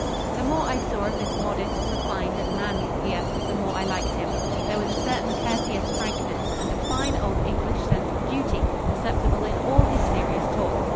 The more I saw of this modest, refined, and manly peer, the more I liked him. There was a certain courteous frankness, and a fine old English sense of duty perceptible in all his serious talk.